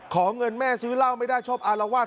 ขอเงินแม่ซื้อเหล้าไม่ได้ชอบอารวาส